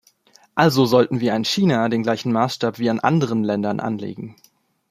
Also sollten wir an China den gleichen Maßstab wie an andere Länder anlegen.